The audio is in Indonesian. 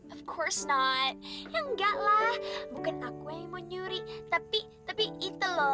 of course not ya enggak lah bukan aku yang mau nyulik tapi itu loh